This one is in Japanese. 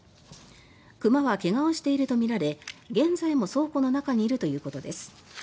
熊は怪我をしているとみられ現在も倉庫の中にいるということです。